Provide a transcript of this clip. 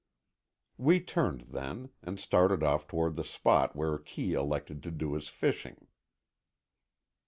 We turned then, and started off toward the spot where Kee elected to do his fishing.